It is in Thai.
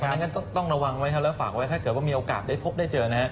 เพราะฉะนั้นก็ต้องระวังไว้เถอะแล้วฝากไว้ถ้าเกิดว่ามีโอกาสได้พบได้เจอ